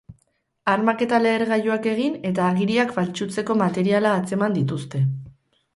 Armak eta lehergailuak egin eta agiriak faltsutzeko materiala atzeman dituzte.